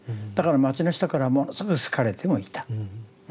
だから街の人からものすごい好かれてもいた。